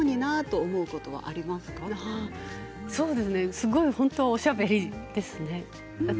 すごく本当はおしゃべりですね。